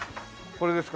これですか？